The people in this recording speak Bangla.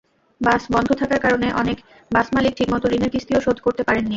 বাস বন্ধ থাকার কারণে অনেক বাসমালিক ঠিকমতো ঋণের কিস্তিও শোধ করতে পারেননি।